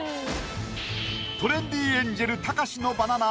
トレンディエンジェルたかしのバナナ